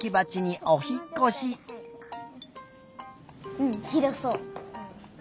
うんひろそう。